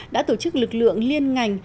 đã tổ chức lực lượng liên ngành